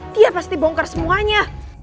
dia pasti bongkar semuanya